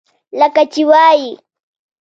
لکه چې وائي ۔